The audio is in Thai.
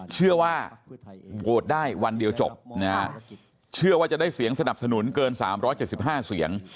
เชื่อว่าโหวตได้วันเดียวจบนะฮะเชื่อว่าจะได้เสียงสนับสนุนเกิน๓๗๕เสียง